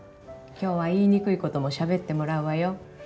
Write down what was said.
今日は言いにくいこともしゃべってもらうわよ。